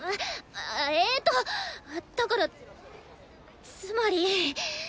えとだからつまり。